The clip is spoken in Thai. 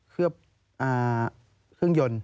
เคลือบเครื่องยนต์